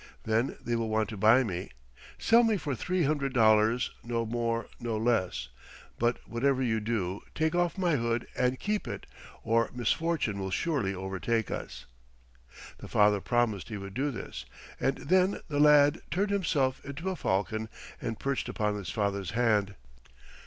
Then they will want to buy me. Sell me for three hundred dollars, no more, no less. But whatever you do take off my hood and keep it, or misfortune will surely overtake us." The father promised he would do this, and then the lad turned himself into a falcon and perched upon his father's hand.